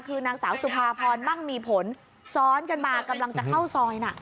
คือนางสาวสุภาพรมั่งมีผลซ้อนกันมากำลังจะเข้าซอยน่ะ